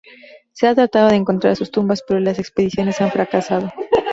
Se ha tratado de encontrar sus tumbas, pero las expediciones han fracasado.